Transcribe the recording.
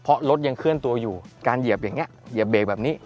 เพราะรถยังเคลื่อนตัวอยู่การเหยียบอย่างนี้เหยียบเบรกแบบนี้